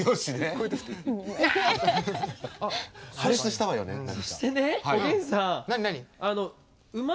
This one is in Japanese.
破裂したわよね何か。